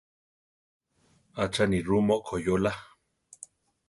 Acha nirú mokoyóra.